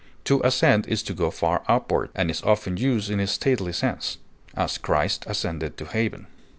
To ascend is to go far upward, and is often used in a stately sense; as, Christ ascended to heaven.